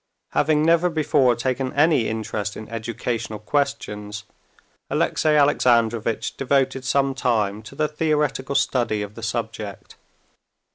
Having never before taken any interest in educational questions, Alexey Alexandrovitch devoted some time to the theoretical study of the subject.